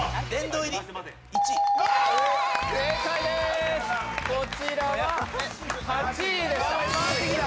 正解です、こちらは８位でした。